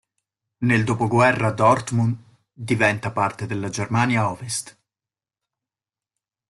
Nel dopoguerra Dortmund diventa parte della Germania Ovest.